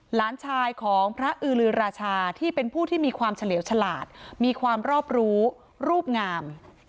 หลานชายของพระอือลือราชาที่เป็นผู้ที่มีความเฉลี่ยวฉลาดมีความรอบรู้รูปงาม